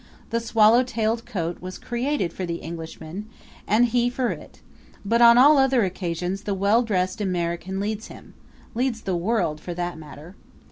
The swallow tailed coat was created for the Englishman and he for it; but on all other occasions the well dressed American leads him leads the world, for that matter.